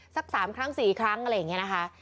สัก๓ครั้ง๔ครั้งอะไรอย่างนี้นะคะ